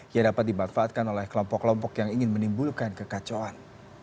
yang dapat dimanfaatkan oleh kelompok kelompok yang ingin menimbulkan kekacauan